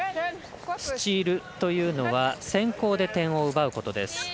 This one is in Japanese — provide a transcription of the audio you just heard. スチールというのは先攻で点を奪うことです。